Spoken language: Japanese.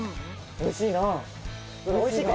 おいしいか？